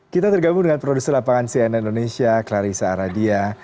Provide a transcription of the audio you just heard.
kita tergabung dengan produser lapangan cnn indonesia clarissa aradia